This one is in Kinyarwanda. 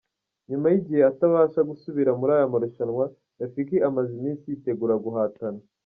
Nyuma y’igihe atabasha gusubira muri aya marushanwa, Rafiki amaze iminsi yitegura guhatana.